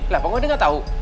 lah pak gua udah gak tau